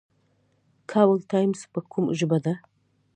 کابل ټایمز په کومه ژبه ده؟